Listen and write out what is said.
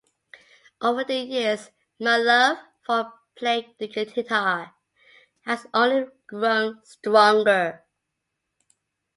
Over the years, my love for playing the guitar has only grown stronger.